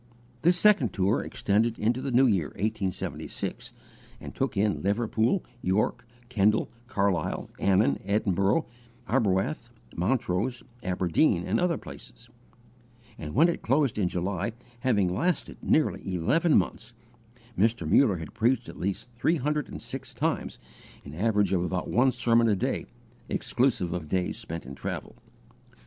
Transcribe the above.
This second tour extended into the new year, 1876, and took in Liverpool, York, Kendal, Carlisle, Annan, Edinburgh, Arbroath, Montrose, Aberdeen, and other places; and when it closed in July, having lasted nearly eleven months, Mr. Muller had preached at least three hundred and six times, an average of about one sermon a day, exclusive of days spent in travel.